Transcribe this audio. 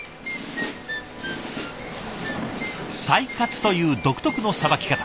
裁割という独特のさばき方。